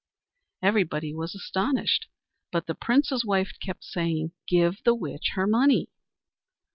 Everybody was astonished, and the Prince's wife kept saying: "Give the witch her money."